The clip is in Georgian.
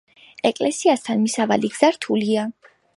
ეკლესიასთან მისასვლელი გზა რთულია.